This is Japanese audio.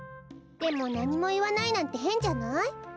でもなにもいわないなんてへんじゃない？